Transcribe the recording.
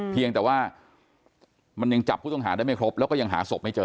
เพียงแต่ว่ามันยังจับผู้ต้องหาได้ไม่ครบแล้วก็ยังหาศพไม่เจอ